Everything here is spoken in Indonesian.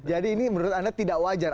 jadi ini menurut anda tidak wajar